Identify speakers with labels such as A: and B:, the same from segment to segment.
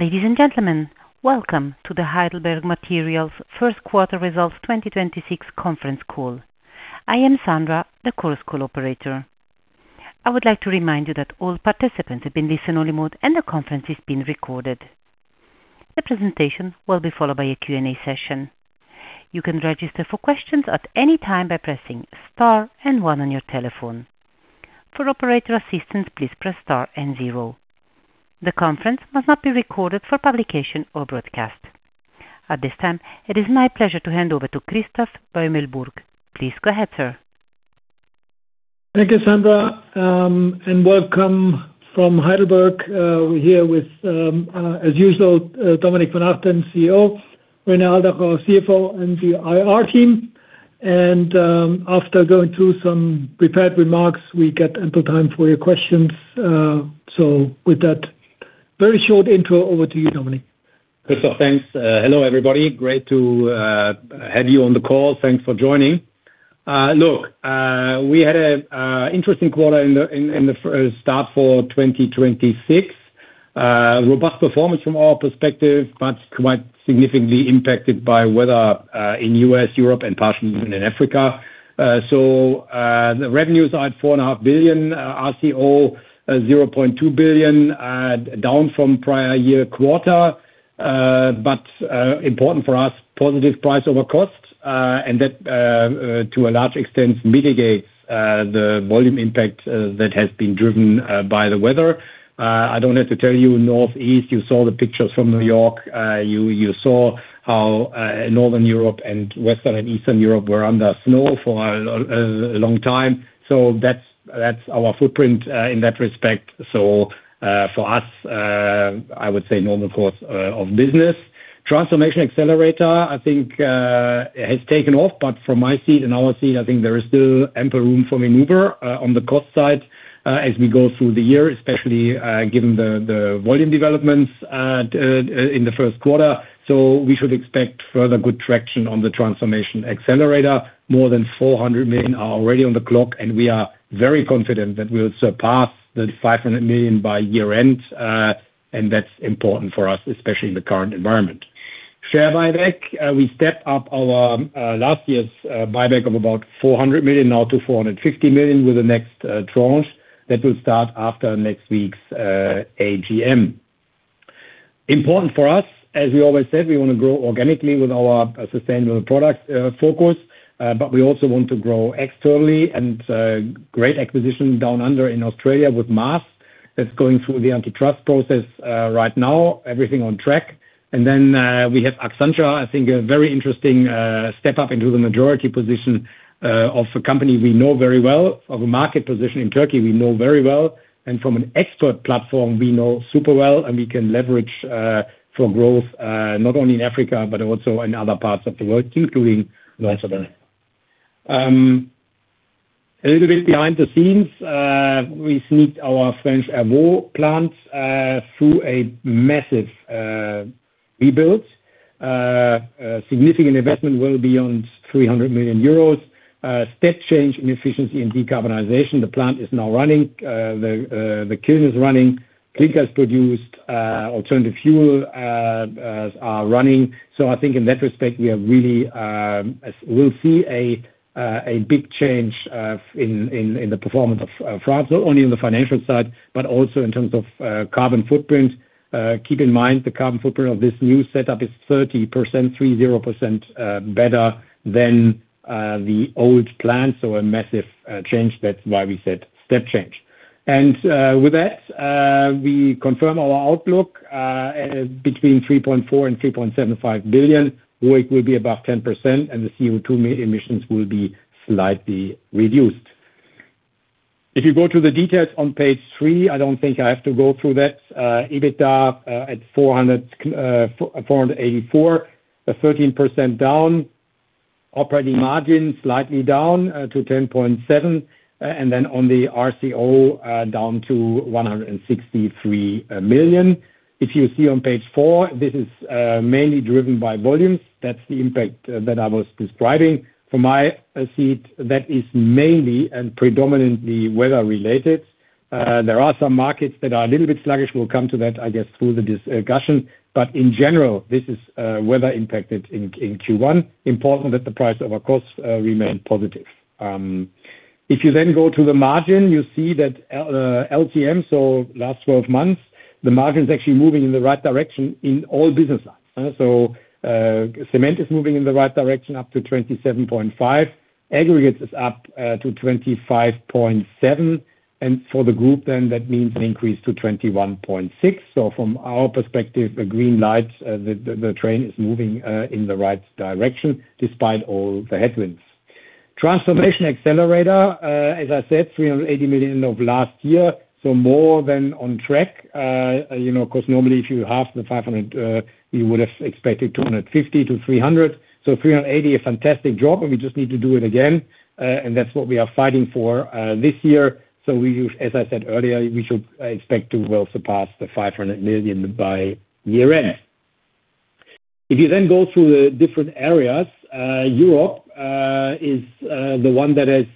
A: Ladies and gentlemen, welcome to the Heidelberg Materials first quarter results 2026 conference call. I am Sandra, the call's call operator. I would like to remind you that all participants have been listen only mode and the conference is being recorded. The presentation will be followed by a Q&A session. You can register for questions at any time by pressing star 1 on your telephone. For operator assistance, please press star 0. The conference must not be recorded for publication or broadcast. At this time, it is my pleasure to hand over to Christoph Beumelburg. Please go ahead, sir.
B: Thank you, Sandra, and welcome from Heidelberg. We're here with as usual Dominik von Achten, CEO, René Aldach, our CFO, and the IR team. After going through some prepared remarks, we get ample time for your questions. With that very short intro, over to you, Dominik.
C: Christoph, thanks. Hello, everybody. Great to have you on the call. Thanks for joining. Look, we had a interesting quarter in the start for 2026. Robust performance from our perspective, but quite significantly impacted by weather in U.S., Europe and partially even in Africa. The revenues are at 4.5 billion, RCO 0.2 billion, down from prior year quarter. Important for us, positive price over cost, and that to a large extent mitigates the volume impact that has been driven by the weather. I don't have to tell you, Northeast, you saw the pictures from New York. You saw how Northern Europe and Western and Eastern Europe were under snow for a long time. That's our footprint in that respect. For us, I would say normal course of business. Transformation Accelerator, I think, has taken off, but from my seat and our seat, I think there is still ample room for maneuver on the cost side as we go through the year, especially given the volume developments in the first quarter. We should expect further good traction on the Transformation Accelerator. More than 400 million are already on the clock, and we are very confident that we'll surpass 500 million by year-end. That's important for us, especially in the current environment. Share buyback, we stepped up our last year's buyback of about 400 million now to 450 million with the next tranche that will start after next week's AGM. Important for us, as we always said, we want to grow organically with our sustainable product focus, but we also want to grow externally and great acquisition down under in Australia with Maas. That's going through the antitrust process right now. Everything on track. We have Akçansa, I think a very interesting step up into the majority position of a company we know very well, of a market position in Turkey we know very well, and from an export platform we know super well, and we can leverage for growth not only in Africa, but also in other parts of the world, including West Asia. A little bit behind the scenes, we sneaked our French Airvault plants through a massive rebuild. A significant investment well beyond 300 million euros. Step change in efficiency and decarbonization. The plant is now running. The kiln is running, clinker's produced, alternative fuel are running. I think in that respect, we are really, we'll see a big change in the performance of France, not only on the financial side, but also in terms of carbon footprint. Keep in mind, the carbon footprint of this new setup is 30% better than the old plant. A massive change. That's why we said step change. With that, we confirm our outlook between 3.4 billion and 3.75 billion. ROIC will be above 10%, and the CO2 emissions will be slightly reduced. If you go to the details on page 3, I don't think I have to go through that. EBITDA at 484, a 13% down. Operating margin slightly down to 10.7%. Then on the RCO, down to 163 million. If you see on page 4, this is mainly driven by volumes. That's the impact that I was describing. From my seat, that is mainly and predominantly weather related. There are some markets that are a little bit sluggish. We'll come to that, I guess, through the discussion. In general, this is weather impacted in Q1. Important that the price of our costs remained positive. If you then go to the margin, you see that LTM, so last 12 months, the margin is actually moving in the right direction in all business lines. So, cement is moving in the right direction up to 27.5%. Aggregates is up to 25.7%. For the group, that means an increase to 21.6. From our perspective, a green light, the train is moving in the right direction despite all the headwinds. Transformation Accelerator, as I said, 380 million of last year, more than on track. You know, 'cause normally if you half the 500, you would have expected 250-300. 380, a fantastic job, and we just need to do it again. That's what we are fighting for this year. As I said earlier, we should expect to well surpass the 500 million by year-end. If you then go through the different areas, Europe is the one that has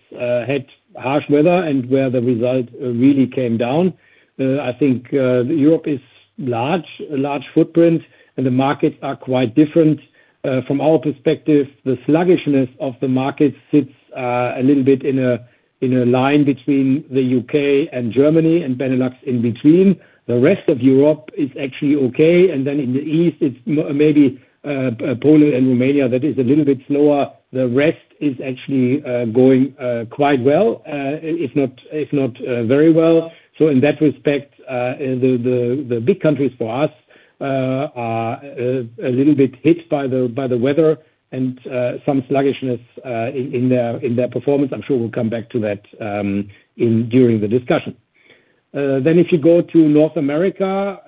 C: had harsh weather and where the result really came down. I think Europe is large, a large footprint, and the markets are quite different. From our perspective, the sluggishness of the market sits a little bit in a line between the U.K. and Germany and Benelux in between. The rest of Europe is actually okay. Then in the east, it's maybe Poland and Romania that is a little bit slower. The rest is actually going quite well, if not very well. In that respect, the big countries for us are a little bit hit by the weather and some sluggishness in their performance. I'm sure we'll come back to that in during the discussion. If you go to North America,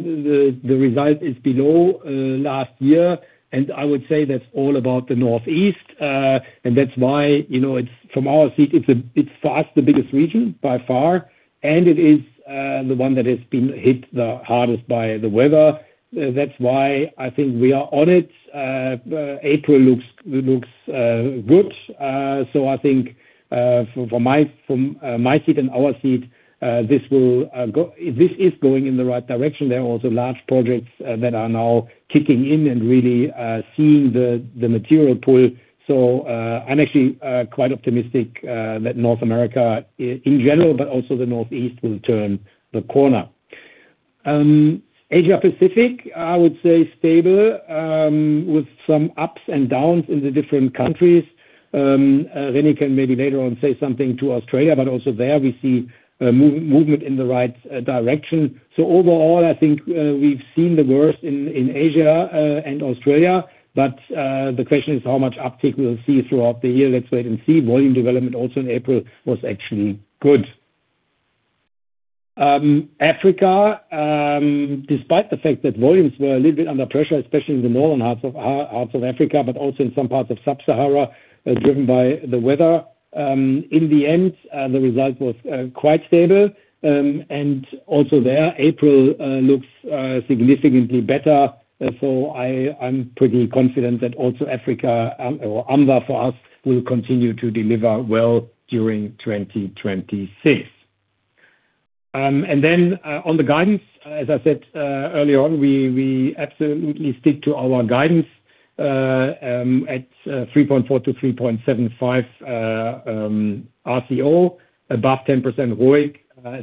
C: the result is below last year, and I would say that's all about the Northeast. That's why, you know, it's from our seat, it's for us, the biggest region by far, and it is the one that has been hit the hardest by the weather. That's why I think we are on it. April looks good. I think, from my seat and our seat, this is going in the right direction. There are also large projects that are now kicking in and really seeing the material pull. I'm actually quite optimistic that North America in general, but also the Northeast will turn the corner. Asia-Pacific, I would say stable, with some ups and downs in the different countries. René can maybe later on say something to Australia, also there we see movement in the right direction. Overall, I think we've seen the worst in Asia and Australia, the question is how much uptick we'll see throughout the year. Let's wait and see. Volume development also in April was actually good. Africa, despite the fact that volumes were a little bit under pressure, especially in the northern halves of Africa, also in some parts of sub-Sahara, driven by the weather. In the end, the result was quite stable, also there, April looks significantly better. I'm pretty confident that also Africa, or AMEA for us will continue to deliver well during 2026. And then, on the guidance, as I said, earlier on, we absolutely stick to our guidance, at 3.4-3.75 RCO, above 10% ROIC,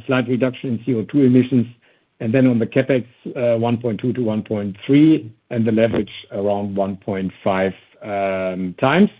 C: slight reduction in CO2 emissions, and then on the CapEx, 1.2-1.3, and the leverage around 1.5 times.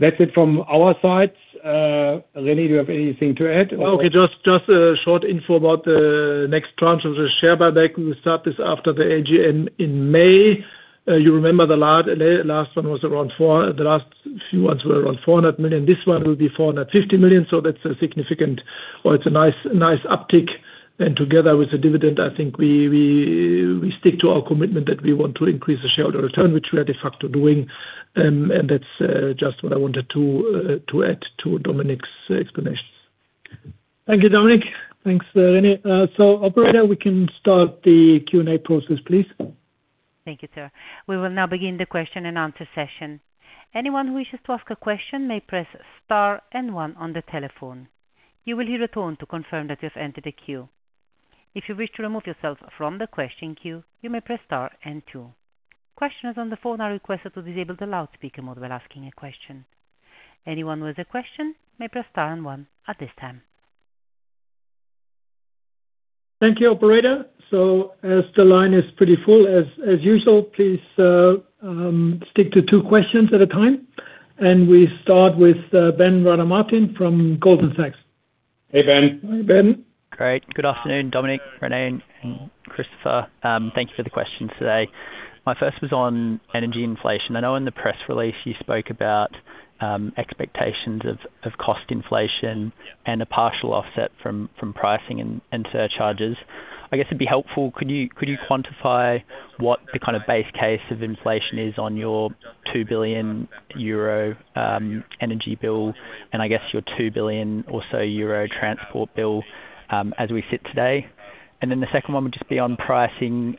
C: That's it from our side. René, do you have anything to add?
D: Okay. Just a short info about the next tranche of the share buyback. We start this after the AGM in May. You remember the last few ones were around 400 million. This one will be 450 million. That's a significant or it's a nice uptick. Together with the dividend, I think we stick to our commitment that we want to increase the shareholder return, which we are de facto doing. That's just what I wanted to add to Dominik's explanations.
B: Thank you, Dominik. Thanks, René. Operator, we can start the Q&A process, please.
A: Thank you, sir. We will now begin the question and answer session. Anyone who wishes to ask a question may press star and 1 on the telephone. You will hear a tone to confirm that you've entered the queue. If you wish to remove yourself from the question queue, you may press star and 2. Questioners on the phone are requested to disable the loudspeaker mode while asking a question. Anyone with a question may press star and 1 at this time.
B: Thank you, operator. As the line is pretty full as usual, please stick to 2 questions at a time. We start with Ben Rada Martin from Goldman Sachs.
D: Hey, Ben.
C: Hi, Ben.
E: Great. Good afternoon, Dominik, René, and Christoph. Thank you for the questions today. My first was on energy inflation. I know in the press release you spoke about expectations of cost inflation and a partial offset from pricing and surcharges. I guess it'd be helpful, could you quantify what the kind of base case of inflation is on your 2 billion euro energy bill, and I guess your 2 billion or so transport bill as we sit today? The second one would just be on pricing.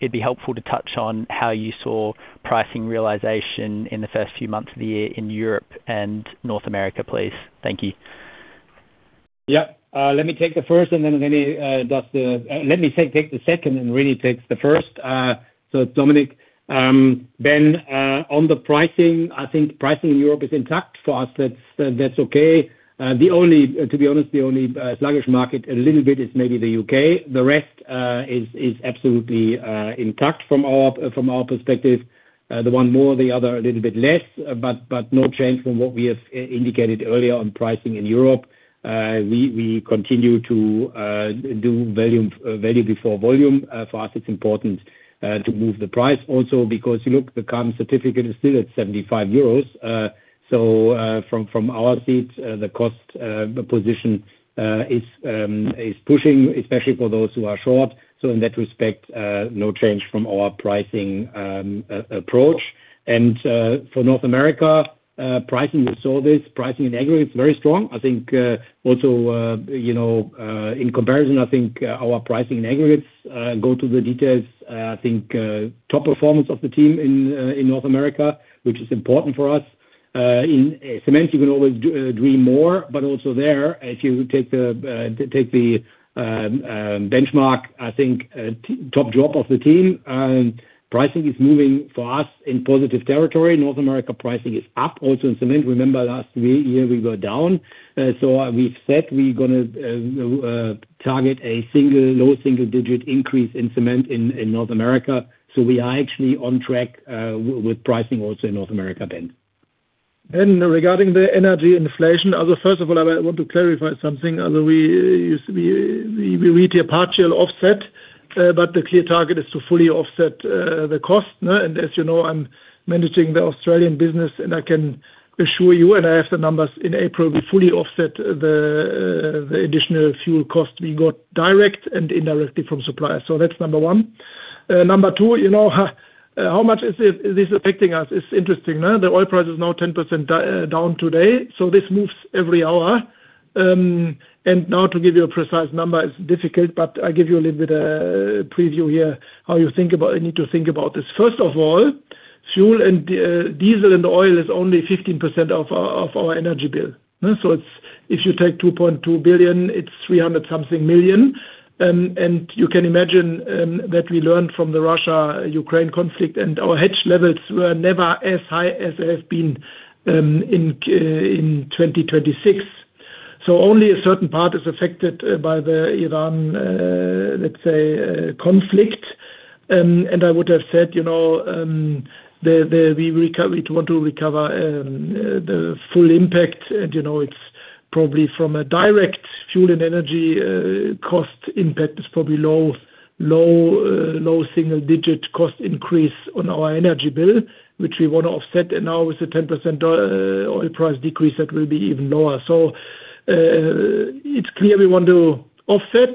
E: It'd be helpful to touch on how you saw pricing realization in the first few months of the year in Europe and North America, please. Thank you.
C: Let me take the first and then René does the, let me take the second and René takes the first. Dominik. Ben, on the pricing, I think pricing in Europe is intact. For us, that's that's okay. To be honest, the only sluggish market a little bit is maybe the U.K. The rest is absolutely intact from our perspective. The one more, the other a little bit less, but no change from what we have indicated earlier on pricing in Europe. We continue to do value before volume. For us, it's important to move the price also because you look, the current certificate is still at 75 euros. From, from our seat, the cost position is pushing, especially for those who are short. In that respect, no change from our pricing approach. For North America, pricing, you saw this, pricing in aggregate is very strong. Also, you know, in comparison, I think, our pricing in aggregates, go to the details, I think, top performance of the team in North America, which is important for us. In cement you can always dream more, but also there, if you take the take the benchmark, I think, top job of the team, pricing is moving for us in positive territory. North America pricing is up also in cement. Remember last year we were down. We've said we're gonna target a single, low single-digit increase in cement in North America. We are actually on track with pricing also in North America then.
D: Regarding the energy inflation, although first of all, I want to clarify something. Although we used to be, we reach a partial offset, but the clear target is to fully offset the cost. As you know, I'm managing the Australian business, and I can assure you, and I have the numbers in April, we fully offset the additional fuel cost we got direct and indirectly from suppliers. That's number 1. Number 2, you know, how much is it affecting us? It's interesting. The oil price is now 10% down today, so this moves every hour. Now to give you a precise number is difficult, but I give you a little bit preview here, how you need to think about this. First of all, fuel and diesel and oil is only 15% of our energy bill. If you take 2.2 billion, it's 300 something million. You can imagine that we learned from the Russia-Ukraine conflict, and our hedge levels were never as high as they have been in 2026. Only a certain part is affected by the Iran, let's say, conflict. I would have said, you know, it want to recover the full impact. You know, it's probably from a direct fuel and energy cost impact. It's probably low single-digit cost increase on our energy bill, which we wanna offset. Now with the 10% oil price decrease, that will be even lower. It's clear we want to offset,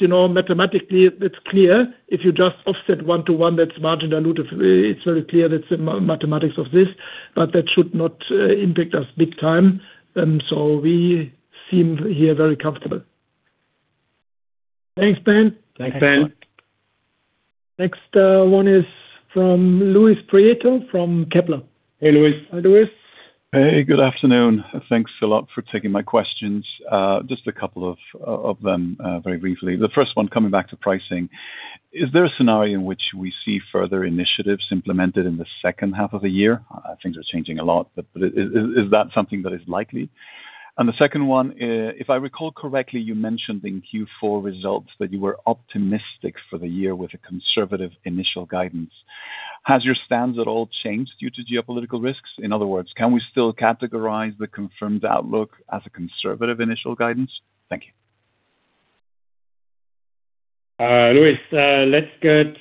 D: you know, mathematically it's clear if you just offset 1 to 1, that's margin dilutive. It's very clear it's the mathematics of this, but that should not impact us big time. We seem here very comfortable.
C: Thanks, Ben.
B: Thanks, Ben. Next, one is from Luis Prieto from Kepler.
C: Hey, Luis.
D: Hi, Luis.
F: Hey, good afternoon. Thanks a lot for taking my questions. Just a couple of them very briefly. The first one coming back to pricing. Is there a scenario in which we see further initiatives implemented in the second half of the year? Things are changing a lot, but is that something that is likely? The second one, if I recall correctly, you mentioned in Q4 results that you were optimistic for the year with a conservative initial guidance. Has your stance at all changed due to geopolitical risks? In other words, can we still categorize the confirmed outlook as a conservative initial guidance? Thank you.
C: Luis, let's get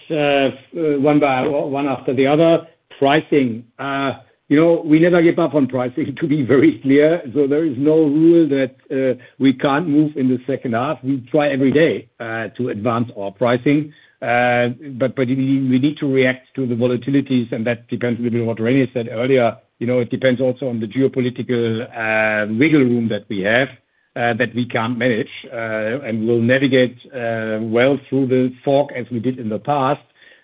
C: one after the other. Pricing. You know, we never give up on pricing, to be very clear. There is no rule that we can't move in the second half. We try every day to advance our pricing, but we need to react to the volatilities, and that depends a little what René said earlier. You know, it depends also on the geopolitical wiggle room that we have that we can manage. We'll navigate well through the fog as we did in the past.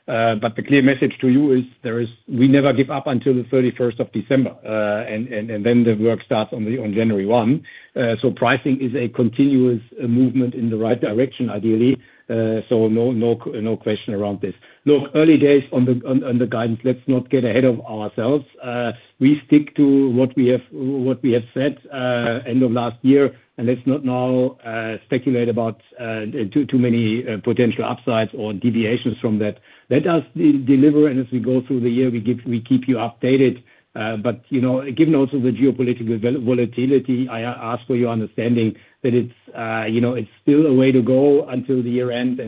C: The clear message to you is we never give up until the 31st December. Then the work starts on January 1. Pricing is a continuous movement in the right direction, ideally. No question around this. Look, early days on the guidance. Let's not get ahead of ourselves. We stick to what we have said end of last year, let's not now speculate about too many potential upsides or deviations from that. Let us deliver, as we go through the year, we keep you updated. You know, given also the geopolitical volatility, I ask for your understanding that it's, you know, it's still a way to go until the year end,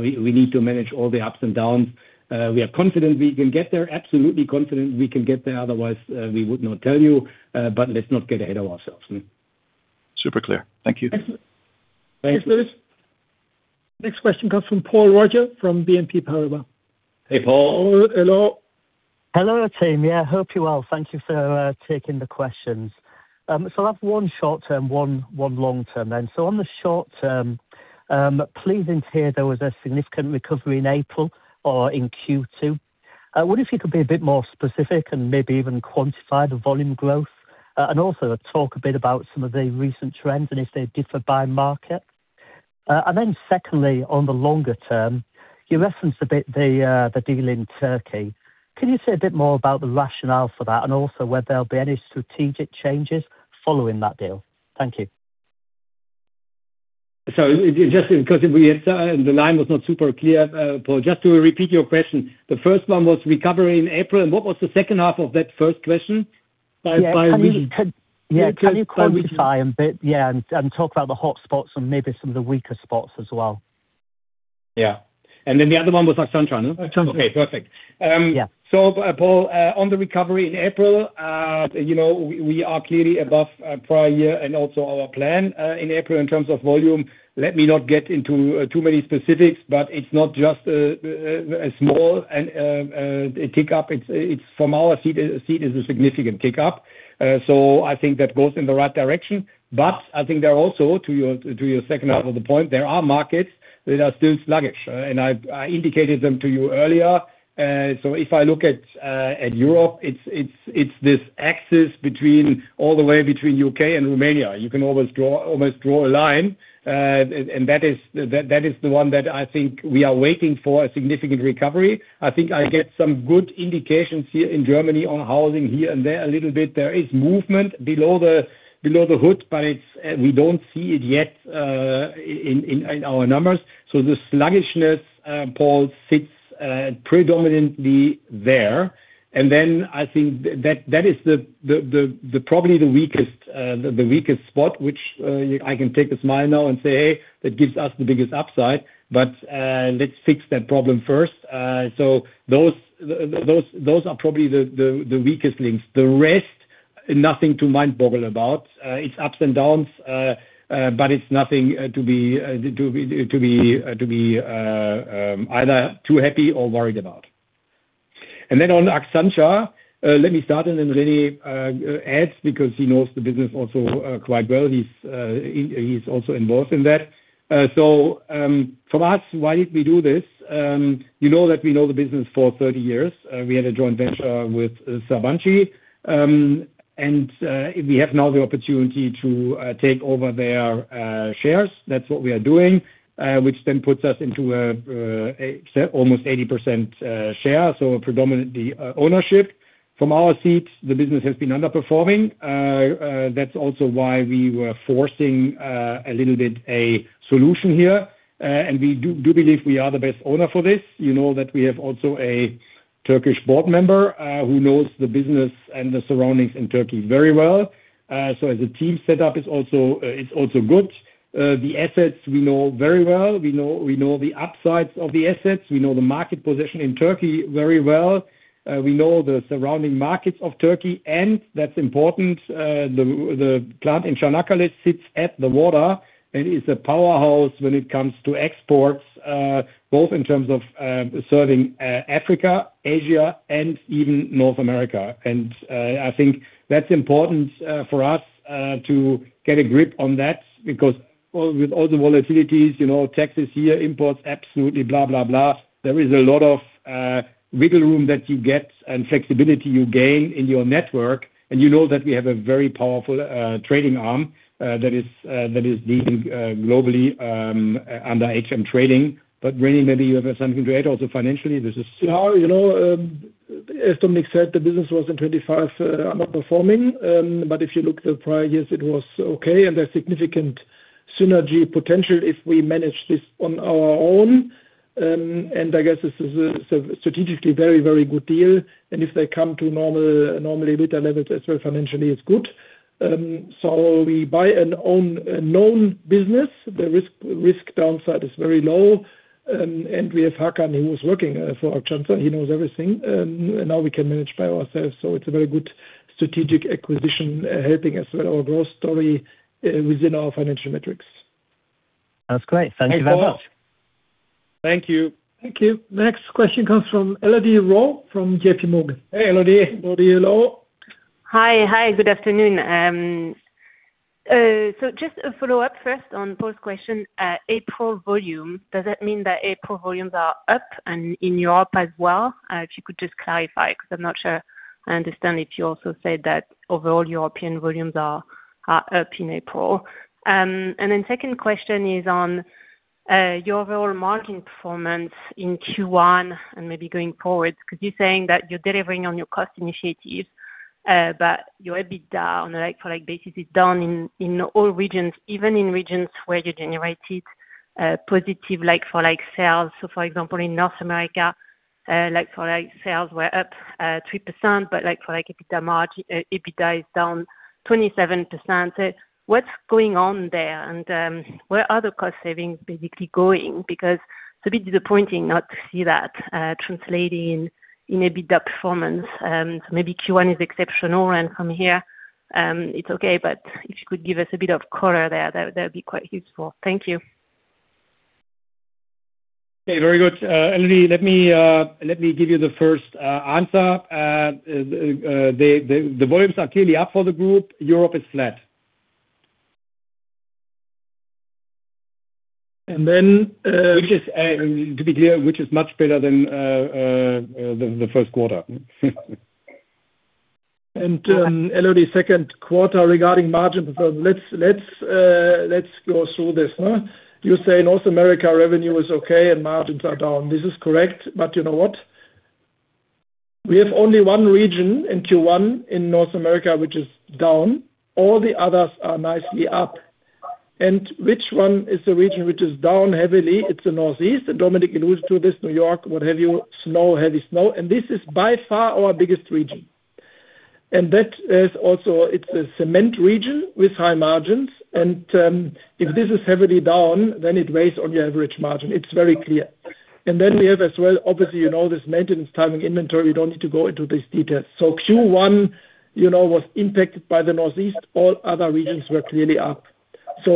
C: we need to manage all the ups and downs. We are confident we can get there. Absolutely confident we can get there. Otherwise, we would not tell you, let's not get ahead of ourselves.
F: Super clear. Thank you.
C: Thanks.
B: Thanks, Luis. Next question comes from Paul Roger from BNP Paribas.
C: Hey, Paul.
D: Paul, hello.
G: Hello, team. Yeah, hope you're well. Thank you for taking the questions. I'll have 1 short term, 1 long term then. On the short term, pleasing to hear there was a significant recovery in April or in Q2. I wonder if you could be a bit more specific and maybe even quantify the volume growth, and also talk a bit about some of the recent trends and if they differ by market. Secondly, on the longer term, you referenced a bit the deal in Turkey. Can you say a bit more about the rationale for that and also whether there'll be any strategic changes following that deal? Thank you.
C: Just in case the line was not super clear, Paul, just to repeat your question, the first one was recovery in April, and what was the second half of that first question? By region.
G: Yeah. Can you quantify a bit? Yeah. Talk about the hotspots and maybe some of the weaker spots as well.
C: Yeah. The other one was Akçansa, right?
D: Akçansa.
C: Okay, perfect.
D: Yeah.
C: Paul, on the recovery in April, you know, we are clearly above prior year and also our plan in April in terms of volume. Let me not get into too many specifics, but it's not just a small and a tick up. It's, it's from our seat is a significant tick up. I think that goes in the right direction. I think there are also, to your, to your second half of the point, there are markets that are still sluggish, and I indicated them to you earlier. If I look at Europe, it's, it's this axis between all the way between U.K. and Romania. You can always almost draw a line. That is the one that I think we are waiting for a significant recovery. I think I get some good indications here in Germany on housing here and there a little bit. There is movement below the hood, but it's we don't see it yet in our numbers. The sluggishness, Paul, sits predominantly there. I think that is the probably the weakest spot, which I can take a smile now and say, "Hey, that gives us the biggest upside," let's fix that problem first. Those are probably the weakest links. The rest, nothing to mind boggle about. It's ups and downs, but it's nothing to be either too happy or worried about. On Akçansa, let me start and then René adds because he knows the business also quite well. He's also involved in that. From us, why did we do this? You know that we know the business for 30 years. We had a joint venture with Sabancı. We have now the opportunity to take over their shares. That's what we are doing, which then puts us into a almost 80% share, so predominantly ownership. From our seat, the business has been underperforming. That's also why we were forcing a little bit a solution here. We do believe we are the best owner for this. You know that we have also a Turkish board member who knows the business and the surroundings in Turkey very well. As a team set up is also good. The assets we know very well. We know the upsides of the assets. We know the market position in Turkey very well. We know the surrounding markets of Turkey, that's important. The plant in Çanakkale sits at the water and is a powerhouse when it comes to exports, both in terms of serving Africa, Asia, and even North America. I think that's important for us to get a grip on that because with all the volatilities, you know, taxes here, imports. There is a lot of wiggle room that you get and flexibility you gain in your network. You know that we have a very powerful trading arm that is leading globally under HM Trading. René, maybe you have something to add.
D: Sure. You know, as Dominik said, the business was in 25, underperforming. If you look the prior years, it was okay. A significant synergy potential if we manage this on our own. I guess this is a very, very good deal. If they come to normal EBITDA levels as well, financially, it's good. We buy an own known business. The risk downside is very low. We have Hakan, who was working for Akçansa. He knows everything. Now we can manage by ourselves. It's a very good strategic acquisition, helping us with our growth story, within our financial metrics. That's great. Thank you very much.
C: Hey, Paul. Thank you.
B: Thank you. Next question comes from Elodie Rall from J.P. Morgan.
C: Hey, Elodie.
D: Elodie, hello.
H: Hi. Hi, good afternoon. Just a follow-up first on Paul's question, April volume. Does that mean that April volumes are up and in Europe as well? If you could just clarify, because I'm not sure I understand if you also said that overall European volumes are up in April. Second question is on your overall margin performance in Q1 and maybe going forward, because you're saying that you're delivering on your cost initiatives, but you're a bit down, like for like basically down in all regions, even in regions where you generated positive like for like sales. For example, in North America, like for like sales were up 3%, but like for like EBITDA margin, EBITDA is down 27%. What's going on there? Where are the cost savings basically going? Because it's a bit disappointing not to see that translating in EBITDA performance. Maybe Q1 is exceptional and from here, it's okay. If you could give us a bit of color there, that'd be quite useful. Thank you.
C: Okay, very good. Elodie, let me give you the first answer. The volumes are clearly up for the group. Europe is flat.
D: And then, uh-
C: Which is, to be clear, which is much better than the first quarter.
D: Elodie, second quarter regarding margin performance, let's go through this, huh. You say North America revenue is okay and margins are down. This is correct, you know what? We have only 1 region in Q1 in North America which is down. All the others are nicely up. Which one is the region which is down heavily? It's the Northeast. Dominik alludes to this, New York, what have you. Snow, heavy snow. This is by far our biggest region. That is also, it's a cement region with high margins. If this is heavily down, it weighs on your average margin. It's very clear. We have as well, obviously, you know, this maintenance timing inventory, we don't need to go into these details. Q1, you know, was impacted by the Northeast. All other regions were clearly up.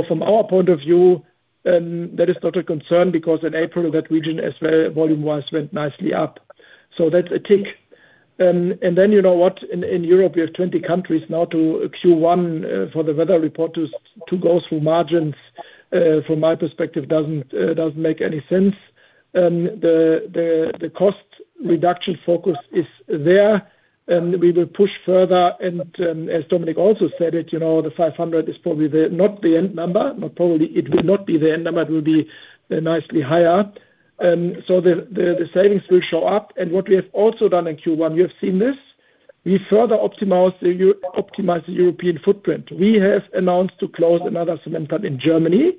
D: From our point of view, that is not a concern because in April, that region as well, volume-wise, went nicely up. Then you know what, in Europe you have 20 countries now to Q1, for the weather report to go through margins, from my perspective doesn't make any sense. The cost reduction focus is there, we will push further. As Dominik von Achten also said it, you know, the 500 is probably not the end number, but probably it will not be the end number. It will be nicely higher. The savings will show up. What we have also done in Q1, you have seen this, we further optimize the European footprint. We have announced to close another cement plant in Germany.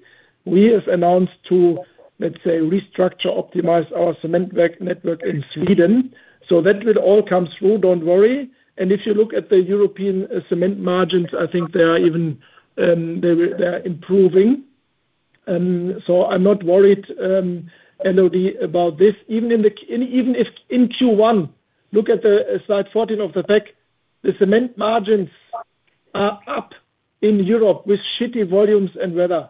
D: We have announced to restructure, optimize our cement work network in Sweden. That will all come through, don't worry. If you look at the European cement margins, I think they are even, they are improving. I'm not worried, Elodie, about this. Even if in Q1, look at the slide 14 of the deck, the cement margins are up in Europe with shitty volumes and weather.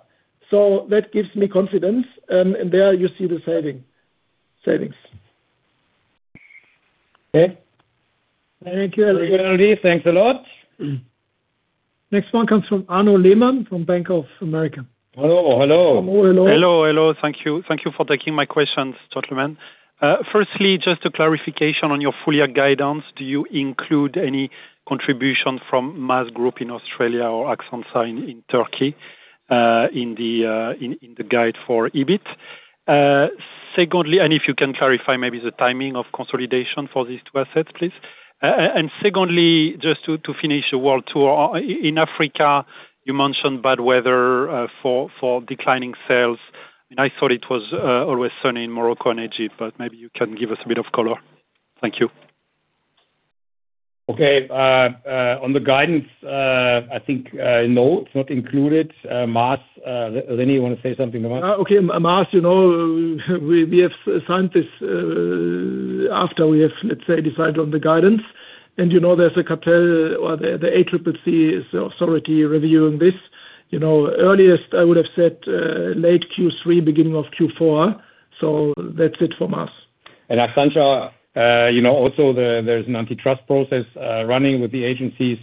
D: That gives me confidence. There you see the savings.
C: Okay.
B: Thank you. Elodie Rall. Thanks a lot. Next one comes from Arnaud Lehmann from Bank of America.
C: Hello. Hello.
D: Arnaud, hello.
I: Hello. Hello. Thank you. Thank you for taking my questions, gentlemen. Firstly, just a clarification on your full year guidance. Do you include any contribution from Maas Group in Australia or Akçansa in Turkey, in the guide for EBIT? Secondly, and if you can clarify maybe the timing of consolidation for these two assets, please. And secondly, just to finish the world tour. In Africa, you mentioned bad weather for declining sales, and I thought it was always sunny in Morocco and Egypt, but maybe you can give us a bit of color. Thank you.
C: Okay. On the guidance, I think, no, it's not included. Mawsons, René.
D: Okay. Mawsons, you know, we have signed this after we have, let's say, decided on the guidance. You know, there's a cartel or the ACCC is authority reviewing this. You know, earliest I would've said late Q3, beginning of Q4. That's it from us.
C: Akçansa, you know, also there's an antitrust process running with the agencies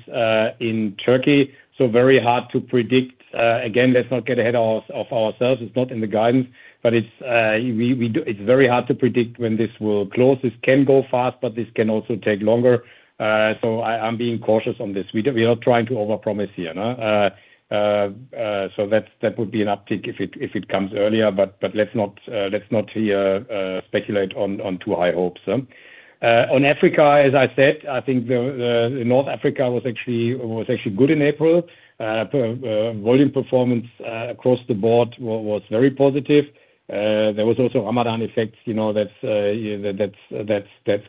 C: in Turkey, so very hard to predict. Again, let's not get ahead of ourselves. It's not in the guidance, but it's very hard to predict when this will close. This can go fast, but this can also take longer. So I'm being cautious on this. We are not trying to overpromise here, no. So that would be an uptick if it comes earlier. Let's not here speculate on too high hopes. On Africa, as I said, I think the North Africa was actually good in April. Volume performance across the board was very positive. There was also Ramadan effects, you know, that's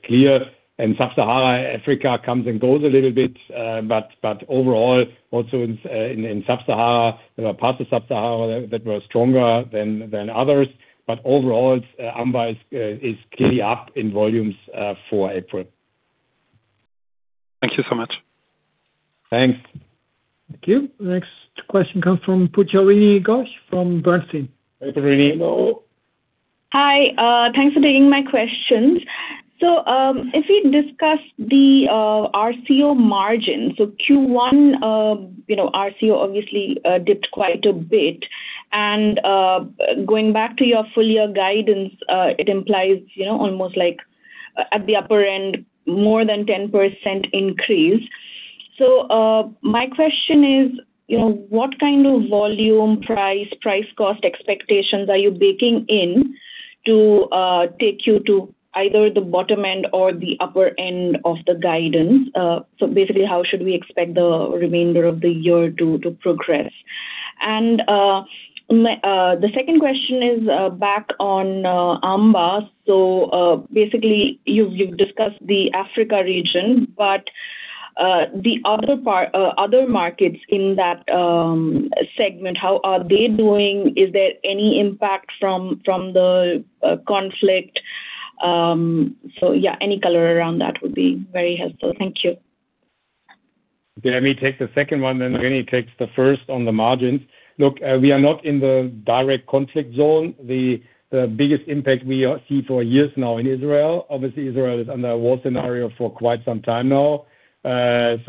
C: clear. Sub-Sahara Africa comes and goes a little bit. Overall, also in Sub-Sahara, there were parts of Sub-Sahara that were stronger than others. Overall, it's AMEA is clearly up in volumes for April.
I: Thank you so much.
C: Thanks.
B: Thank you. Next question comes from Pujarini Ghosh from Bernstein.
C: Pujarini, hello.
J: Hi. Thanks for taking my questions. If we discuss the RCO margin, Q1, you know, RCO obviously dipped quite a bit. Going back to your full year guidance, it implies, you know, almost like at the upper end, more than 10% increase. My question is, you know, what kind of volume, price cost expectations are you baking in to take you to either the bottom end or the upper end of the guidance? Basically how should we expect the remainder of the year to progress? The second question is back on AMEA. Basically, you've discussed the Africa region, but other markets in that segment, how are they doing? Is there any impact from the conflict? Yeah, any color around that would be very helpful. Thank you.
C: Let me take the second one, then René takes the first on the margins. Look, we are not in the direct conflict zone. The biggest impact we see for years now in Israel, obviously Israel is under a war scenario for quite some time now. That's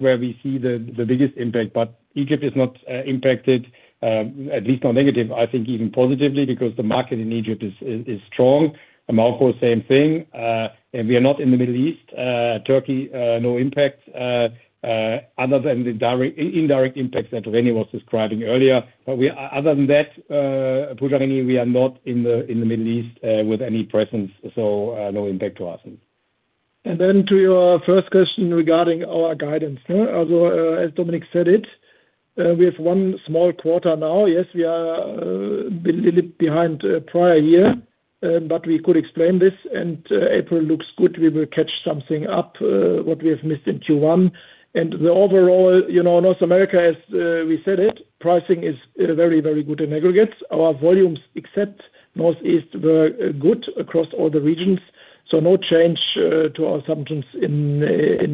C: where we see the biggest impact. Egypt is not impacted, at least not negative. I think even positively because the market in Egypt is strong. Morocco, same thing. We are not in the Middle East. Turkey, no impact, other than the indirect impacts that René was describing earlier. Other than that, Pujarini, we are not in the Middle East with any presence, no impact to us.
D: To your first question regarding our guidance. As Dominik said it. We have 1 small quarter now. Yes, we are a little bit behind prior year, but we could explain this, and April looks good. We will catch something up, what we have missed in Q1. The overall, you know, North America, as we said it, pricing is very, very good in aggregates. Our volumes, except Northeast, were good across all the regions. No change to our assumptions in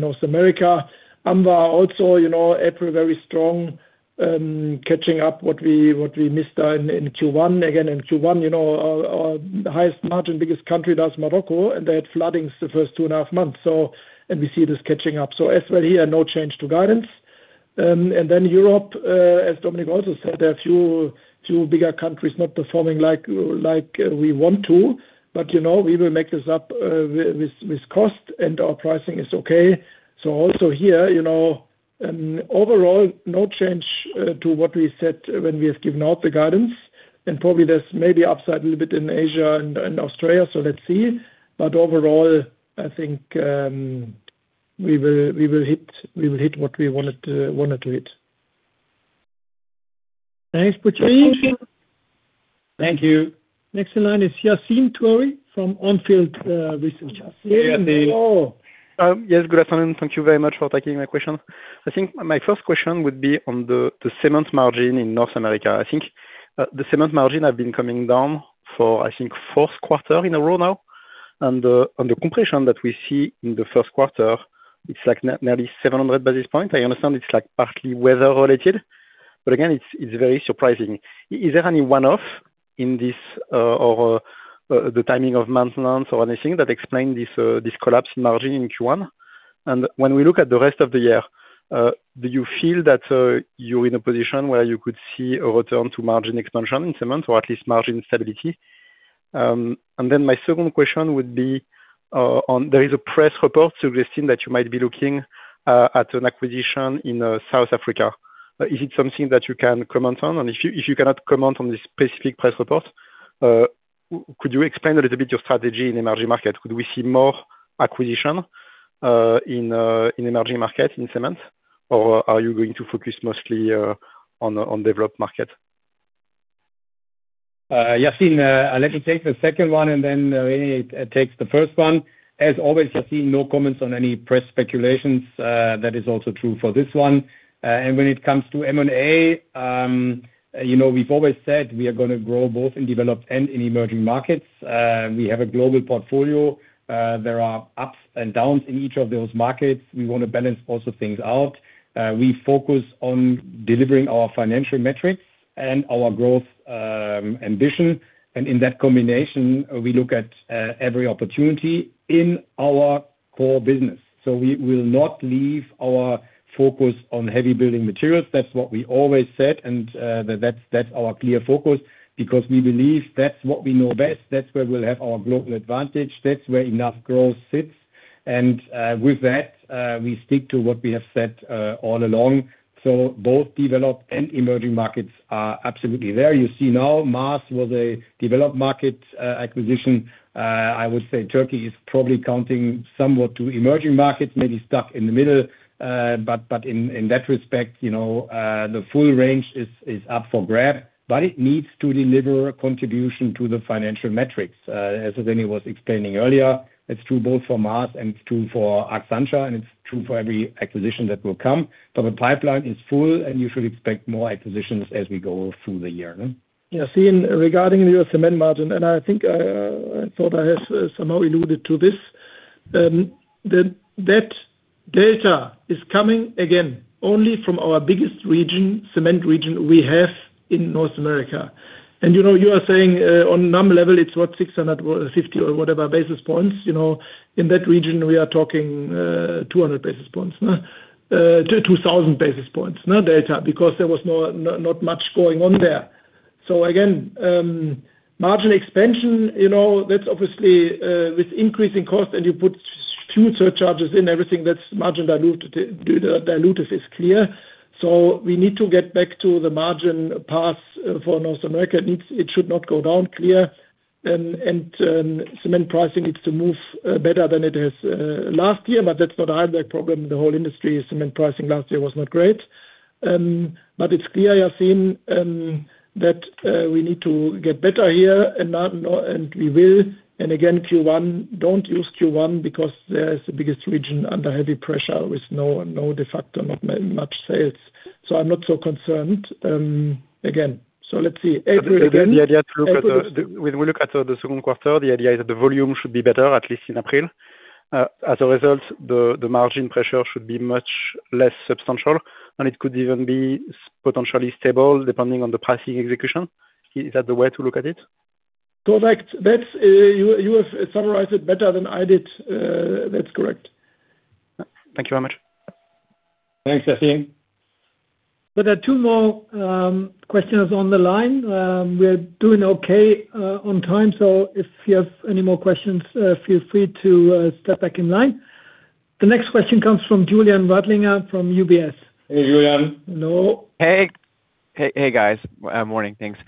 D: North America. AMEA also, you know, April very strong, catching up what we missed in Q1. Again, in Q1, you know, our highest margin biggest country that's Morocco, and they had floodings the first 2.5 months. We see this catching up. As well here, no change to guidance. Europe, as Dominik von Achten also said, a few bigger countries not performing like we want to. You know, we will make this up with cost, and our pricing is okay. Also here, you know, overall, no change to what we said when we have given out the guidance. Probably there's maybe upside a little bit in Asia and Australia, so let's see. Overall, I think, we will hit what we wanted to hit. Thanks, Sabine.
C: Thank you.
B: Next in line is Yassine Touahri from ON FIELD Research. Yassine, hello.
K: Yes, good afternoon. Thank you very much for taking my question. I think my first question would be on the cement margin in North America. I think the cement margin have been coming down for, I think, fourth quarter in a row now. On the compression that we see in the first quarter, it's like nearly 700 basis point. I understand it's like partly weather related, but again, it's very surprising. Is there any one-off in this, or the timing of maintenance or anything that explain this collapse margin in Q1? When we look at the rest of the year, do you feel that you're in a position where you could see a return to margin expansion in cement or at least margin stability? My second question would be, there is a press report suggesting that you might be looking at an acquisition in South Africa. Is it something that you can comment on? If you, if you cannot comment on this specific press report, could you explain a little bit your strategy in emerging market? Could we see more acquisition in emerging market in cement? Are you going to focus mostly on developed market?
C: Yassine, let me take the second one. René takes the first one. As always, Yassine, no comments on any press speculations. That is also true for this one. When it comes to M&A, you know, we've always said we are gonna grow both in developed and in emerging markets. We have a global portfolio. There are ups and downs in each of those markets. We wanna balance also things out. We focus on delivering our financial metrics and our growth ambition. In that combination, we look at every opportunity in our core business. We will not leave our focus on heavy building materials. That's what we always said, that's our clear focus because we believe that's what we know best. That's where we'll have our global advantage. That's where enough growth sits. With that, we stick to what we have said all along. Both developed and emerging markets are absolutely there. You see now Maas Group was a developed market acquisition. I would say Turkey is probably counting somewhat to emerging markets, maybe stuck in the middle. In that respect, you know, the full range is up for grab, but it needs to deliver contribution to the financial metrics. As René Aldach was explaining earlier, it's true both for Maas Group, and it's true for Akçansa, and it's true for every acquisition that will come. The pipeline is full, and you should expect more acquisitions as we go through the year.
D: Yassine, regarding your cement margin, I think I thought I have somehow alluded to this, that data is coming again only from our biggest region, cement region we have in North America. You know, you are saying, on number level, it's what, 600 or 50 or whatever basis points. You know, in that region, we are talking, 200 basis points, 2,000 basis points, no data, because there was not much going on there. Again, margin expansion, you know, that's obviously, with increasing cost, and you put few surcharges in everything, that's margin dilutive is clear. We need to get back to the margin path for North America. It should not go down clear. Cement pricing needs to move better than it has last year, but that's not Heidelberg Materials problem. The whole industry cement pricing last year was not great. But it's clear, Yassine, that we need to get better here and now, and we will. Again, Q1, don't use Q1 because there is the biggest region under heavy pressure with no de facto, not much sales. I'm not so concerned again. Let's see. April again.
K: Is it the idea to look at When we look at the second quarter, the idea is that the volume should be better, at least in April. As a result, the margin pressure should be much less substantial, and it could even be potentially stable depending on the pricing execution. Is that the way to look at it?
D: Correct. That's, You have summarized it better than I did. That's correct.
K: Thank you very much.
C: Thanks, Yassine.
B: There are two more questions on the line. We're doing okay on time, so if you have any more questions, feel free to step back in line. The next question comes from Julian Radlinger from UBS.
C: Hey, Julian.
L: Hello. Hey, hey guys. Morning, thanks.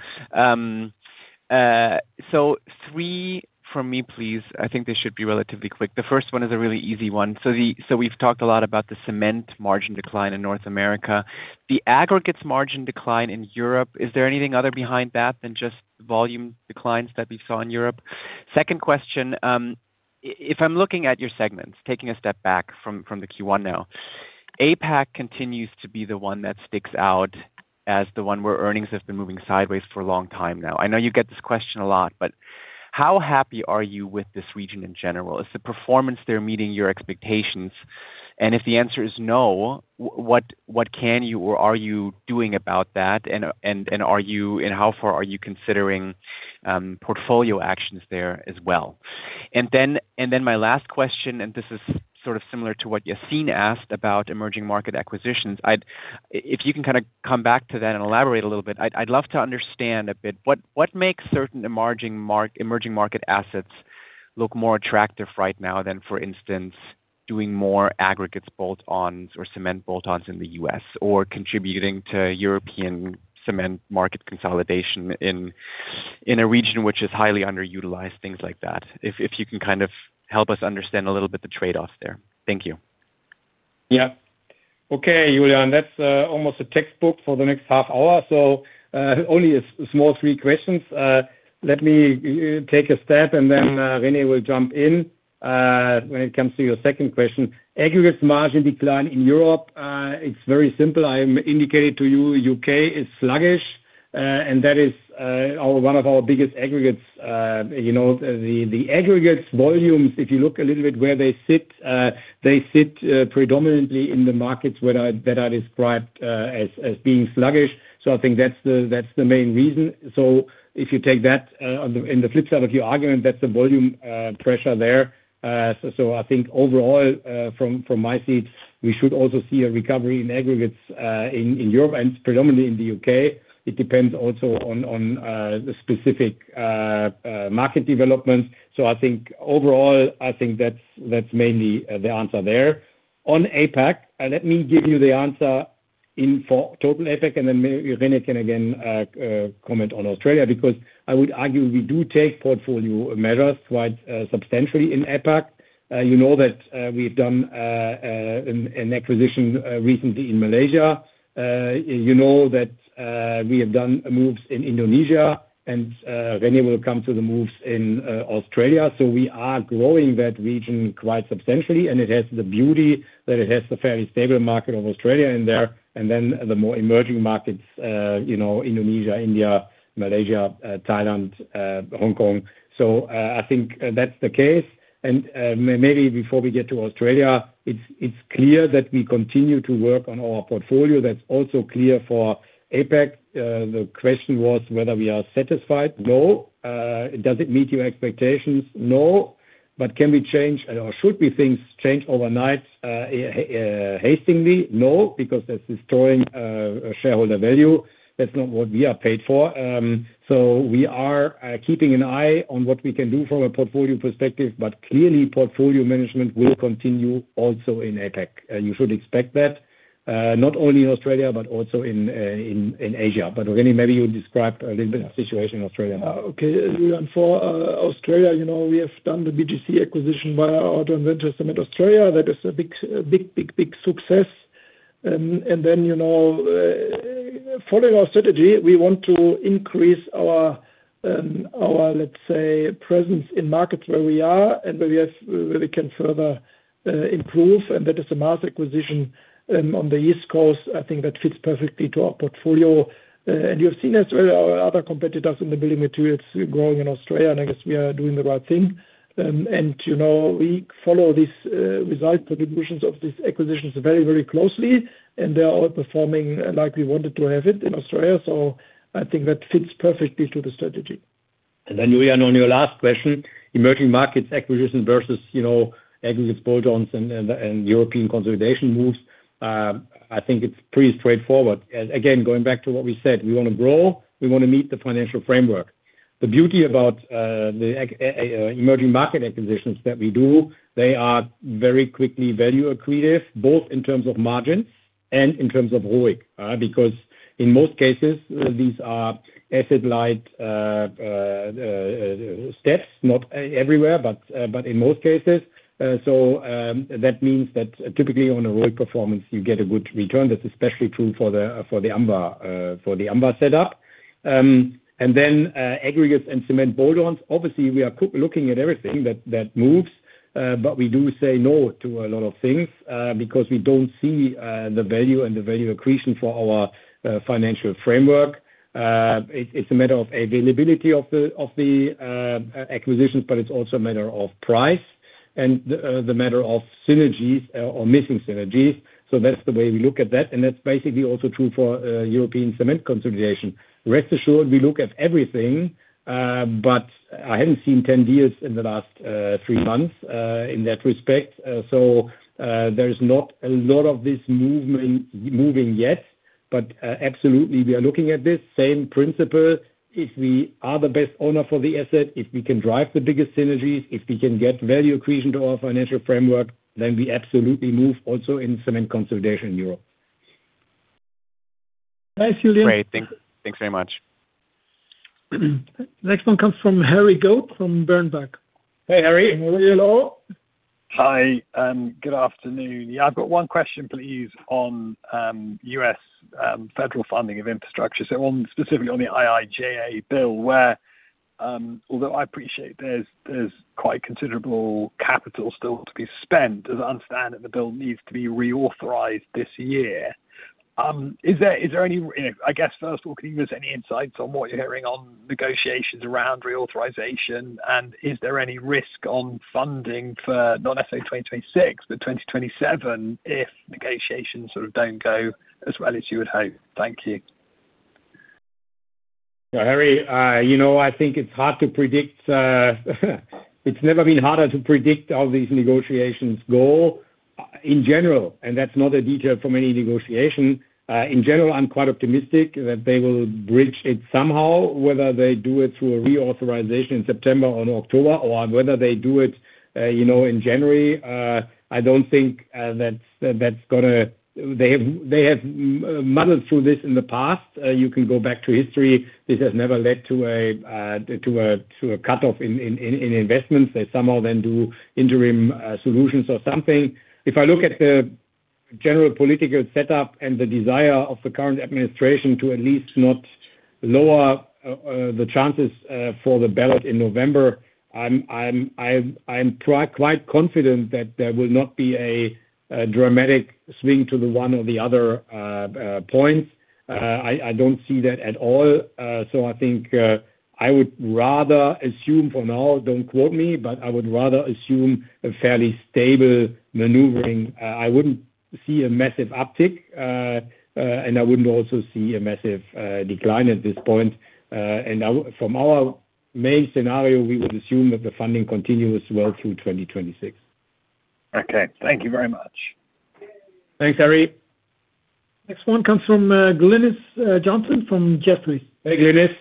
L: Three from me, please. I think they should be relatively quick. The first one is a really easy one. We've talked a lot about the cement margin decline in North America. The aggregates margin decline in Europe, is there anything other behind that than just volume declines that we saw in Europe? Second question, if I'm looking at your segments, taking a step back from the Q1 now, APAC continues to be the one that sticks out as the one where earnings have been moving sideways for a long time now. I know you get this question a lot, how happy are you with this region in general? Is the performance there meeting your expectations? If the answer is no, what can you or are you doing about that? Are you and how far are you considering portfolio actions there as well? My last question, and this is sort of similar to what Yassine asked about emerging market acquisitions. If you can kind of come back to that and elaborate a little bit, I'd love to understand a bit what makes certain emerging market assets look more attractive right now than, for instance, doing more aggregates bolt-ons or cement bolt-ons in the U.S. or contributing to European cement market consolidation in a region which is highly underutilized, things like that. If you can kind of help us understand a little bit the trade-off there. Thank you.
C: Yeah. Okay, Julian, that's almost a textbook for the next half hour. Only a small 3 questions. Let me take a stab and then René will jump in when it comes to your second question. Aggregates margin decline in Europe, it's very simple. I am indicating to you U.K. is sluggish, and that is one of our biggest aggregates. You know, the aggregates volumes, if you look a little bit where they sit, they sit predominantly in the markets that are described as being sluggish. I think that's the, that's the main reason. If you take that on the flip side of your argument, that's a volume pressure there. I think overall, from my seat, we should also see a recovery in aggregates, in Europe and predominantly in the U.K. It depends also on the specific market developments. I think overall, I think that's mainly the answer there. On APAC, let me give you the answer for total APAC, then maybe Rene can again comment on Australia, because I would argue we do take portfolio measures quite substantially in APAC. You know that we've done an acquisition recently in Malaysia. You know that we have done moves in Indonesia, René will come to the moves in Australia. We are growing that region quite substantially, and it has the beauty that it has the fairly stable market of Australia in there, and then the more emerging markets, you know, Indonesia, India, Malaysia, Thailand, Hong Kong. Before we get to Australia, it's clear that we continue to work on our portfolio. That's also clear for APAC. The question was whether we are satisfied. No. Does it meet your expectations? No. Can we change or should we things change overnight, hastily? No, because that's destroying shareholder value. That's not what we are paid for. We are keeping an eye on what we can do from a portfolio perspective, but clearly, portfolio management will continue also in APAC. You should expect that not only in Australia, but also in Asia. René, maybe you describe a little bit the situation in Australia now.
D: Okay. As you went for Australia, you know, we have done the BGC acquisition via our joint venture Cement Australia. That is a big success. Following our strategy, we want to increase our presence in markets where we are and where we can further improve. That is the Maas acquisition on the East Coast. I think that fits perfectly to our portfolio. You've seen as well our other competitors in the building materials growing in Australia, and I guess we are doing the right thing. You know, we follow this result for the divisions of these acquisitions very, very closely, and they are all performing like we wanted to have it in Australia. I think that fits perfectly to the strategy.
C: Then Julian, on your last question, emerging markets acquisition versus, you know, aggregates bolt-ons and European consolidation moves. I think it's pretty straightforward. Again, going back to what we said, we wanna grow, we wanna meet the financial framework. The beauty about the emerging market acquisitions that we do, they are very quickly value accretive, both in terms of margin and in terms of ROIC. Because in most cases, these are asset light steps, not everywhere, but in most cases. That means that typically on a ROIC performance, you get a good return. That's especially true for the AMEA, for the AMEA setup. Then aggregates and cement bolt-ons. Obviously, we are looking at everything that moves, but we do say no to a lot of things, because we don't see the value and the value accretion for our financial framework. It's a matter of availability of the acquisitions, but it's also a matter of price and the matter of synergies or missing synergies. That's the way we look at that, and that's basically also true for European cement consolidation. Rest assured, we look at everything, but I haven't seen 10 deals in the last three months, in that respect. There is not a lot of this movement moving yet. Absolutely, we are looking at this same principle. If we are the best owner for the asset, if we can drive the biggest synergies, if we can get value accretion to our financial framework, then we absolutely move also in cement consolidation in Europe.
D: Thanks, Julian.
L: Great. Thanks very much.
B: Next one comes from Harry Goad from Berenberg.
C: Hey, Harry.
D: Harry, hello.
M: Hi, good afternoon. Yeah, I've got one question please on U.S. federal funding of infrastructure. Specifically on the IIJA bill where, although I appreciate there's quite considerable capital still to be spent, as I understand it, the bill needs to be reauthorized this year. Is there any, you know, I guess first of all, can you give us any insights on what you're hearing on negotiations around reauthorization? Is there any risk on funding for not necessarily 2026, but 2027 if negotiations sort of don't go as well as you would hope? Thank you.
C: Yeah, Harry, you know, I think it's hard to predict, it's never been harder to predict how these negotiations go in general. That's not a detail from any negotiation. In general, I'm quite optimistic that they will bridge it somehow, whether they do it through a reauthorization in September or October or whether they do it, you know, in January. I don't think that's gonna. They have muddled through this in the past. You can go back to history. This has never led to a cutoff in investments. They somehow do interim solutions or something. If I look at the general political setup and the desire of the current administration to at least not lower the chances for the ballot in November, I'm quite confident that there will not be a dramatic swing to the one or the other points. I don't see that at all. I think I would rather assume for now, don't quote me, but I would rather assume a fairly stable maneuvering. I wouldn't see a massive uptick and I wouldn't also see a massive decline at this point. From our main scenario, we would assume that the funding continues well through 2026.
M: Okay. Thank you very much.
C: Thanks, Harry.
B: Next one comes from Glynis Johnson from Jefferies.
C: Hey, Glynis.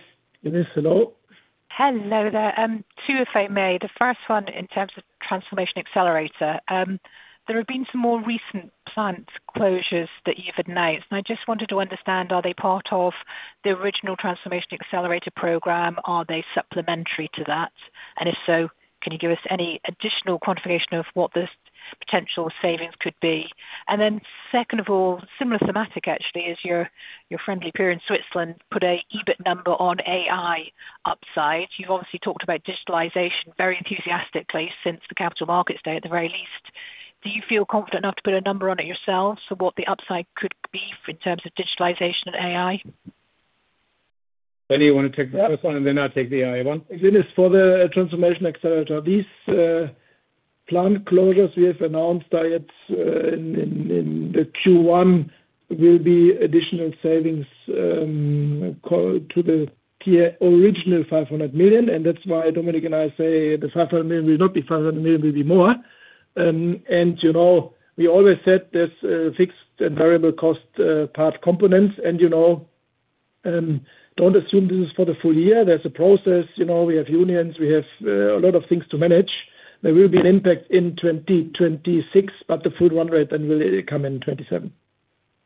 D: Glynis, hello.
N: Hello there. 2 if I may. The first one in terms of Transformation Accelerator. There have been some more recent plant closures that you've announced, and I just wanted to understand, are they part of the original Transformation Accelerator program? Are they supplementary to that? If so, can you give us any additional quantification of what this potential savings could be? Second of all, similar thematic actually, as your friendly peer in Switzerland put a EBIT number on AI upside. You've obviously talked about digitalization very enthusiastically since the capital markets day, at the very least. Do you feel confident enough to put a number on it yourself? What the upside could be in terms of digitalization and AI?
C: René, you wanna take the first one, and then I take the AI one.
D: Glynis, for the Transformation Accelerator, these plant closures we have announced, it's in the Q1 will be additional savings, call to the TA original 500 million. That's why Dominik and I say the 500 million will not be 500 million, it will be more. You know, we always said there's fixed and variable cost path components and, you know, don't assume this is for the full year. There's a process. You know, we have unions. We have a lot of things to manage. There will be an impact in 2026, the full run rate then will come in 2027.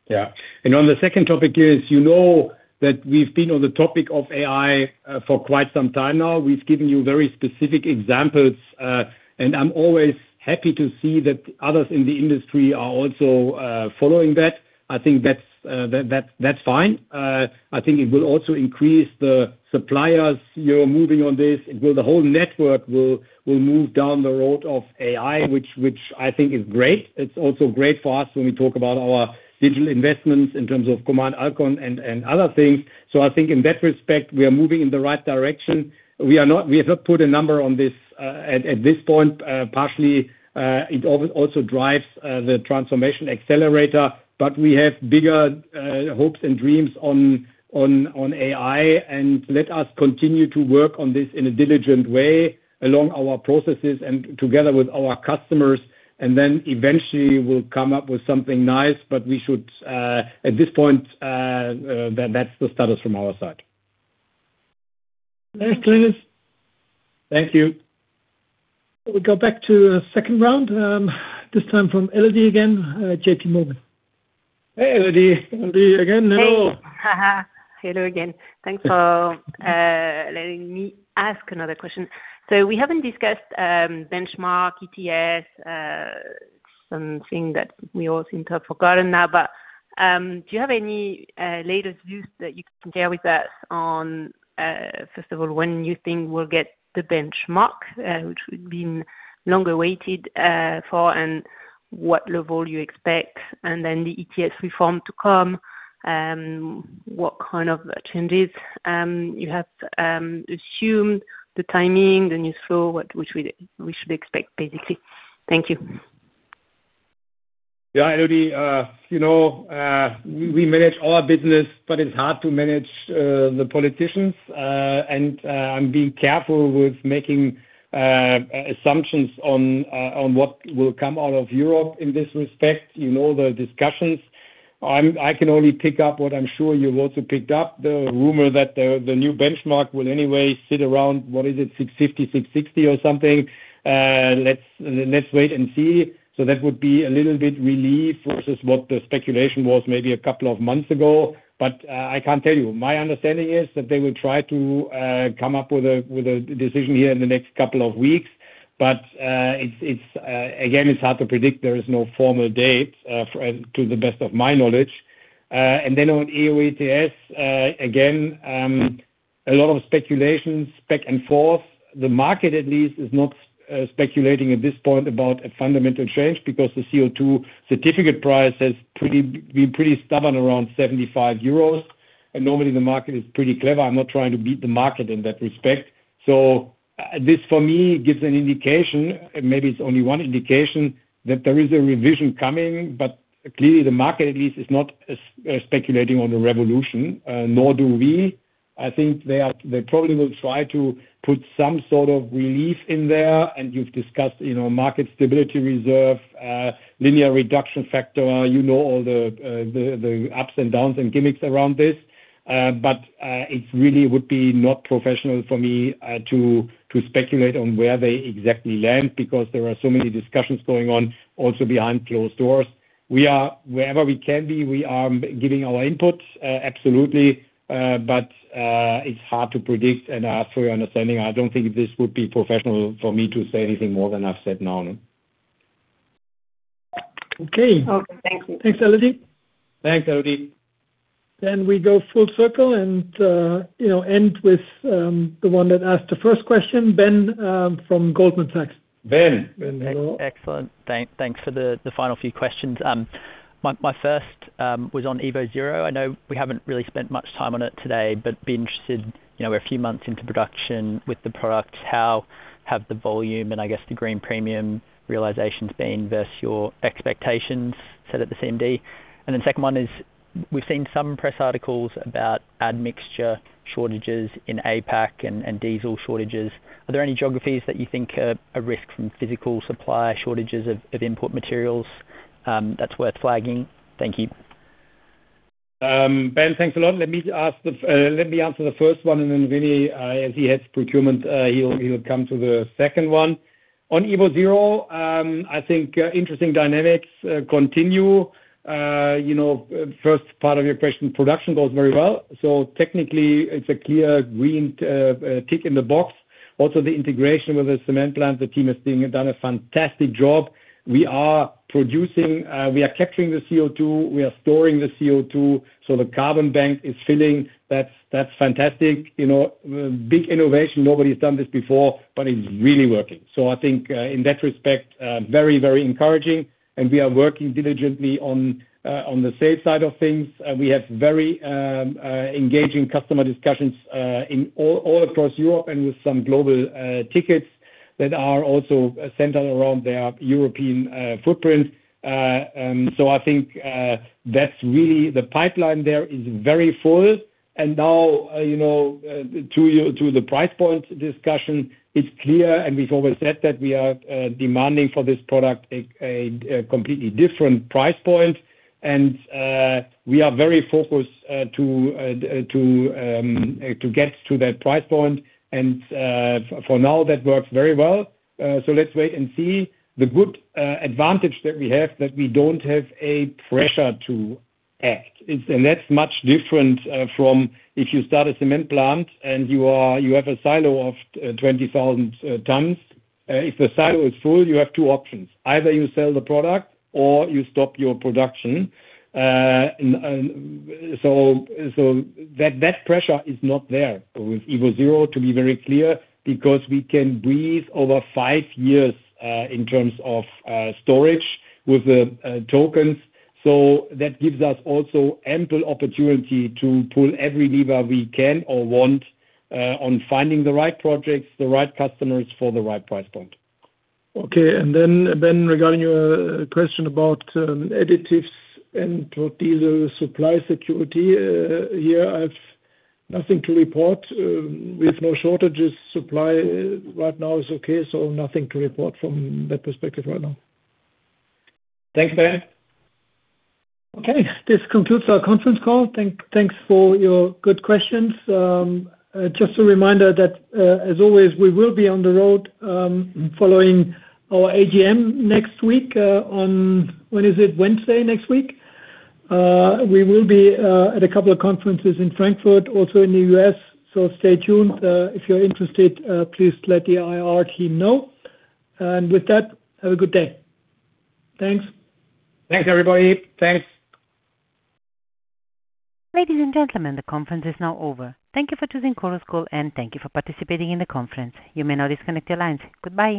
C: Yeah. On the second topic is, you know that we've been on the topic of AI for quite some time now. We've given you very specific examples. I'm always happy to see that others in the industry are also following that. I think that's fine. I think it will also increase the suppliers, you know, moving on this. The whole network will move down the road of AI, which I think is great. It's also great for us when we talk about our digital investments in terms of Command Alkon and other things. I think in that respect, we are moving in the right direction. We have not put a number on this at this point, partially, it also drives the Transformation Accelerator, but we have bigger hopes and dreams on AI. Let us continue to work on this in a diligent way along our processes and together with our customers, then eventually we'll come up with something nice. We should at this point, that's the status from our side.
D: Thanks, Glynis.
C: Thank you.
B: We go back to the second round, this time from Elodie again, J.P. Morgan.
C: Hey, Elodie. Elodie again. Hello.
H: Say hello again. Thanks for letting me ask another question. We haven't discussed benchmark ETS, something that we all seem to have forgotten now. Do you have any latest views that you can share with us on, first of all, when you think we'll get the benchmark, which we've been longer waited for, and what level you expect? The ETS reform to come, what kind of changes you have assumed, the timing, the news flow, which we should expect, basically. Thank you.
C: Yeah, Elodie, you know, we manage our business, but it's hard to manage the politicians. I'm being careful with making assumptions on what will come out of Europe in this respect. You know, I can only pick up what I'm sure you've also picked up, the rumor that the new benchmark will anyway sit around, what is it, 650, 660 or something. Let's wait and see. That would be a little bit relief versus what the speculation was maybe a couple of months ago. I can't tell you. My understanding is that they will try to come up with a decision here in the next couple of weeks. It's again, it's hard to predict. There is no formal date to the best of my knowledge. On EU ETS, again, a lot of speculations back and forth. The market at least is not speculating at this point about a fundamental change because the CO2 certificate price has been pretty stubborn around 75 euros. Normally the market is pretty clever. I'm not trying to beat the market in that respect. This for me gives an indication, maybe it's only one indication, that there is a revision coming, but clearly the market at least is not speculating on a revolution, nor do we. I think they probably will try to put some sort of relief in there. You've discussed, you know, Market Stability Reserve, Linear Reduction Factor. You know all the ups and downs and gimmicks around this. It really would be not professional for me to speculate on where they exactly land because there are so many discussions going on also behind closed doors. Wherever we can be, we are giving our input, absolutely. It's hard to predict. I ask for your understanding. I don't think this would be professional for me to say anything more than I've said now.
B: Okay.
H: Okay, thank you.
B: Thanks, Elodie.
C: Thanks, Elodie.
B: We go full circle and, you know, end with the one that asked the first question, Ben, from Goldman Sachs.
C: Ben. Ben, hello.
E: Excellent. Thanks for the final few questions. My first was on evoZero. I know we haven't really spent much time on it today, be interested, you know, we're a few months into production with the product. How have the volume and I guess the green premium realization been versus your expectations set at the CMD? The second one is, we've seen some press articles about admixture shortages in APAC and diesel shortages. Are there any geographies that you think are a risk from physical supply shortages of input materials that's worth flagging? Thank you.
C: Ben, thanks a lot. Let me answer the first one, and then René, as he heads Procurement, he'll come to the second one. On evoZero, I think interesting dynamics continue. You know, first part of your question, production goes very well. Technically it's a clear green tick in the box. Also the integration with the cement plant, the team has done a fantastic job. We are capturing the CO2, we are storing the CO2, the carbon bank is filling. That's fantastic. You know, big innovation. Nobody's done this before, it's really working. I think, in that respect, very encouraging. We are working diligently on the sales side of things. We have very engaging customer discussions in all across Europe and with some global tickets that are also centered around their European footprints. I think that's really the pipeline there is very full. Now, you know, to the price point discussion, it's clear and we've always said that we are demanding for this product a completely different price point. We are very focused to get to that price point. For now, that works very well. Let's wait and see. The good advantage that we have, that we don't have a pressure to act. That's much different from if you start a cement plant and you have a silo of 20,000 tons. If the silo is full, you have 2 options: either you sell the product or you stop your production. That pressure is not there with evoZero, to be very clear, because we can breathe over 5 years, in terms of storage with the tokens. That gives us also ample opportunity to pull every lever we can or want, on finding the right projects, the right customers for the right price point.
D: Okay. Ben, regarding your question about additives and diesel supply security, here I've nothing to report. We have no shortages. Supply right now is okay, nothing to report from that perspective right now.
C: Thanks, Ben.
B: Okay, this concludes our conference call. Thanks for your good questions. Just a reminder that as always, we will be on the road following our AGM next week on, when is it? Wednesday next week. We will be at a couple of conferences in Frankfurt, also in the U.S. Stay tuned. If you're interested, please let the IR team know. With that, have a good day. Thanks.
C: Thanks, everybody. Thanks.
A: Ladies and gentlemen, the conference is now over. Thank you for choosing Chorus Call, and thank you for participating in the conference. You may now disconnect your lines. Goodbye.